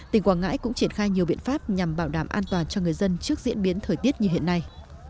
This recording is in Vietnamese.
tỉnh quảng ngãi cũng triển khai nhiều biện pháp nhằm bảo đảm an toàn cho người dân trước diễn biến thời tiết như hiện nay